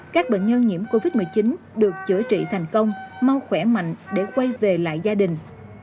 các bệnh nhân nhiễm covid một mươi chín được chữa trị thành công mau khỏe mạnh để quay về lại gia đình